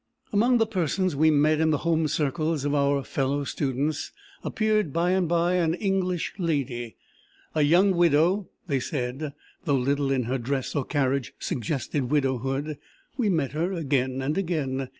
"Among the persons we met in the home circles of our fellow students, appeared by and by an English lady a young widow, they said, though little in her dress or carriage suggested widowhood. We met her again and again.